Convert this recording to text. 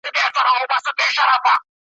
د پانوس لمبه مي ولوېده له نوره ,